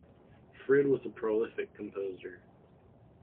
Frid was a prolific composer.